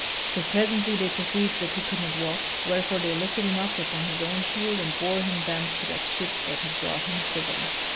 So presently they perceived that he could not walk, wherefore they lifted him up upon his own shield and bore him thence to that ship that had brought him thither.